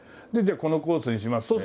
じゃあこのコースにします。